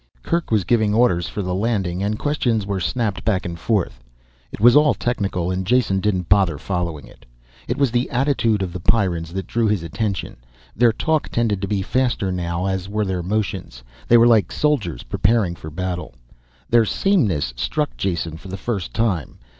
Kerk was giving orders for the landing and questions were snapped back and forth. It was all technical and Jason didn't bother following it. It was the attitude of the Pyrrans that drew his attention. Their talk tended to be faster now as were their motions. They were like soldiers preparing for battle. Their sameness struck Jason for the first time.